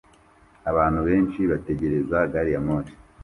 abantu benshi bategereza gari ya moshi